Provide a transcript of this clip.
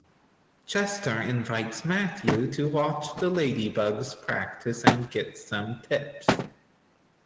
Chester invites Matthew to watch the Ladybugs practice and to get some tips.